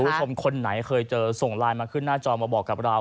คุณผู้ชมคนไหนเคยเจอส่งไลน์มาขึ้นหน้าจอมาบอกกับเรา